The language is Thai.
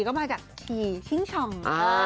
๔ก็มาจากที่ทิ้งชำ